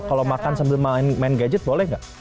kalau makan sambil main gejek boleh gak